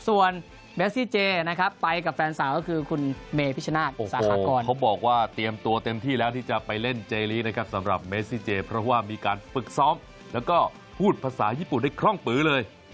ส่วนเมซี่เจนะครับไปกับแฟนสาวก็คือคุณเมพิชนาธิสากรเขาบอกว่าเตรียมตัวเต็มที่แล้วที่จะไปเล่นเจลีนะครับสำหรับเมซิเจเพราะว่ามีการฝึกซ้อมแล้วก็พูดภาษาญี่ปุ่นได้คล่องปือเลย